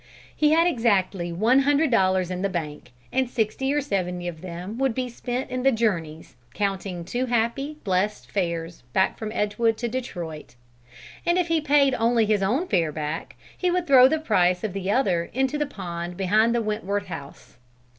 He had exactly one hundred dollars in the bank, and sixty or seventy of them would be spent in the journeys, counting two happy, blessed fares back from Edgewood to Detroit; and if he paid only his own fare back, he would throw the price of the other into the pond behind the Wentworth house.